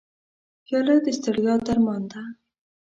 پیاله د ستړیا درمان ده.